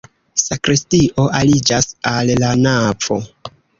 Sakristio aliĝas al la navo.